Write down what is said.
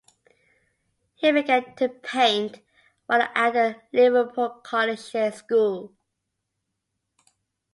He began to paint while at the Liverpool Collegiate School.